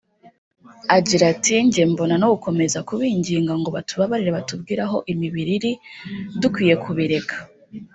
Agira ati “Njye mbona no gukomeza kubinginga ngo batubabarire batubwire aho imibiri iri dukwiye kubireka